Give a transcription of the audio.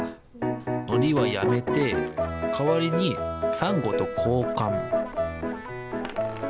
のりはやめてかわりにサンゴとこうかん。